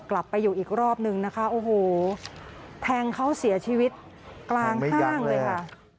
กลับไปอยู่อีกรอบนึงนะคะโอ้โหแทงเขาเสียชีวิตกลางห้างเลยค่ะ